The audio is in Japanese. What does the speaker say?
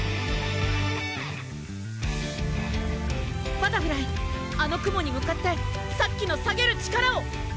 バタフライあの雲に向かってさっきのサゲる力を！